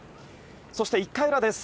そして１回裏です。